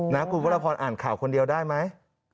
นะคุณวรพรอ่านข่าวคนเดียวได้ไหม